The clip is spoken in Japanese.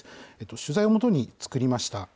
取材を基に作りました。